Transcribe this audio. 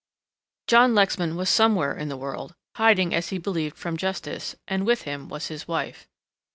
John Lexman was somewhere in the world, hiding as he believed from justice, and with him was his wife.